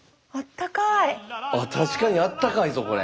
確かにあったかいぞこれ。